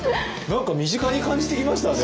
何か身近に感じてきましたね。